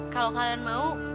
kalau kalian mau